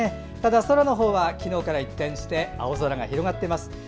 ただ、空のほうは昨日から一転して青空が広がっています。